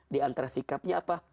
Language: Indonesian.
di antara sikapnya apa